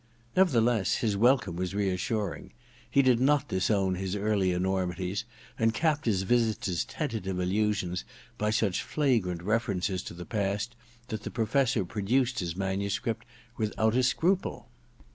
Nevertheless, his welcome was reassuring.. He did not disown his early enormities, and capped his visitor's tentative allusions by such flagrant references to the past that the Professor produced his manuscript without a scruple.